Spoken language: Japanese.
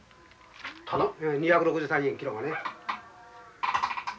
２６３円キロがね。